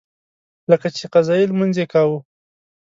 لکه چې قضایي لمونځ یې کاوه.